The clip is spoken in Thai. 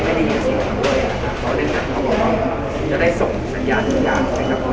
เพราะฉะนั้นเขาเรียนภาษาเขาดีได้ดี